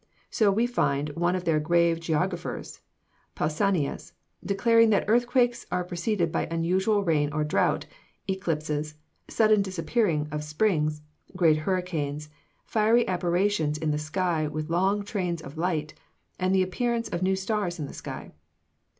So we find one of their grave geographers, Pausanias, declaring that earthquakes are preceded by unusual rain or drought, eclipses, sudden disappearing of springs, great hurricanes, fiery apparitions in the sky with long trains of light, and the appearance of new stars in the sky.